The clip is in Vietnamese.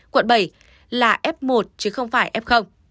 quận bảy là f một chứ không phải f